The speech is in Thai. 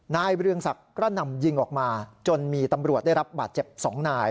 เรืองศักดิ์กระหน่ำยิงออกมาจนมีตำรวจได้รับบาดเจ็บ๒นาย